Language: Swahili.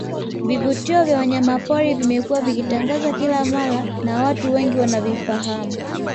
Vivutio vya wanyamapori vimekuwa vikitangazwa kila mara na watu wengi wanavifahamu